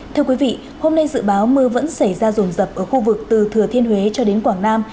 thưa quý vị hôm nay dự báo mưa vẫn xảy ra rồn rập ở khu vực từ thừa thiên huế cho đến quảng nam